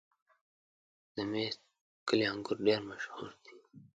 د میست کلي انګور ډېر مشهور دي.